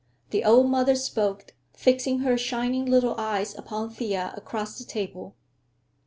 The old mother spoke, fixing her shining little eyes upon Thea across the table.